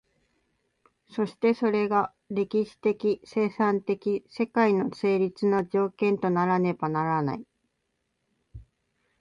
そしてそれが歴史的生産的世界の成立の条件とならねばならない。